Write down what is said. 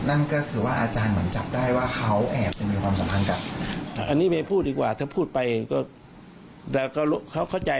นั่นก็คือว่าอาจารย์หวังจับได้ว่าเขาแอบมีความสำหรับ